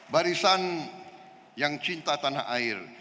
barisan yang cinta tanah air